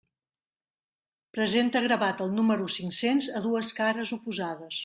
Presenta gravat el número cinc-cents a dues cares oposades.